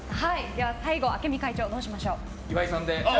最後、明美会長どうしましょう？